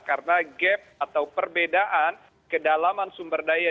karena gap atau perbedaan kedalaman sumber daya